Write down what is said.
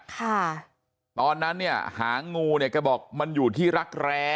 ค่ะตอนนั้นเนี่ยหางงูเนี่ยแกบอกมันอยู่ที่รักแร้